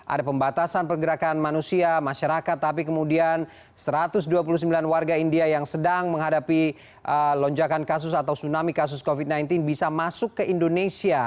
ada pembatasan pergerakan manusia masyarakat tapi kemudian satu ratus dua puluh sembilan warga india yang sedang menghadapi lonjakan kasus atau tsunami kasus covid sembilan belas bisa masuk ke indonesia